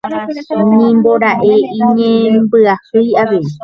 Nimbora'e iñembyahýi avei.